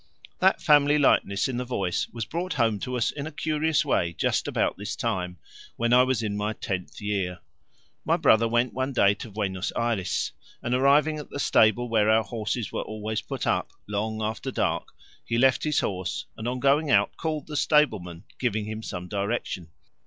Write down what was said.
That family likeness in the voice was brought home to us in a curious way just about this time, when I was in my tenth year. My brother went one day to Buenos Ayres, and arriving at the stable where our horses were always put up, long after dark, he left his horse, and on going out called to the stableman, giving him some direction.